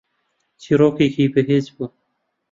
چیرۆکێکی بەهێز بوو